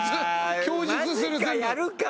供述する。